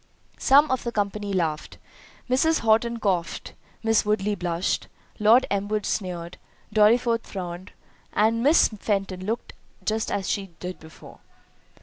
Some of the company laughed—Mrs. Horton coughed—Miss Woodley blushed—Lord Elmwood sneered—Dorriforth frowned—and Miss Fenton looked just as she did before.